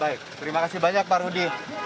baik terima kasih banyak pak rudi